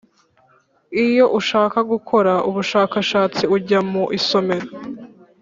iyo ushaka gukora ubushakashatsi ujya mu isomero